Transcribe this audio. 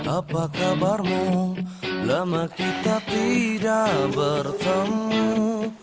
aku juga menempatin janji aku